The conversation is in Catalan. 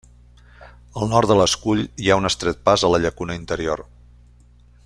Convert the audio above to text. Al nord de l'escull hi ha un estret pas a la llacuna interior.